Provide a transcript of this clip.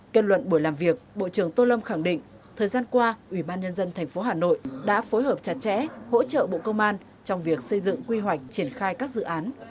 kết luận buổi làm việc bộ trưởng tô lâm khẳng định thời gian qua ủy ban nhân dân tp hà nội đã phối hợp chặt chẽ hỗ trợ bộ công an trong việc xây dựng quy hoạch triển khai các dự án